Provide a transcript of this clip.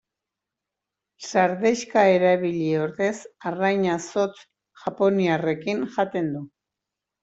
Sardexka erabili ordez arraina zotz japoniarrekin jaten du.